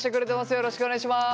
よろしくお願いします。